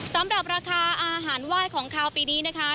สำหรับราคาอาหารไหว้ของคาวปีนี้นะคะ